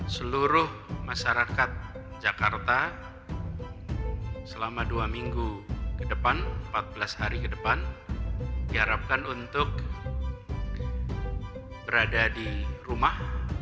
seluruh masyarakat jakarta selama dua minggu ke depan empat belas hari ke depan diharapkan untuk berada di rumah